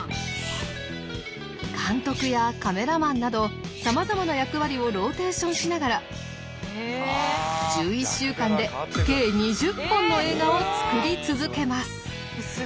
監督やカメラマンなどさまざまな役割をローテーションしながら１１週間で計２０本の映画を作り続けます。